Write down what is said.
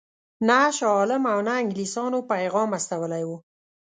نه شاه عالم او نه انګلیسیانو پیغام استولی وو.